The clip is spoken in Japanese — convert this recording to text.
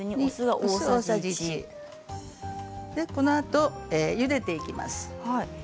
このあと、ゆでていきます。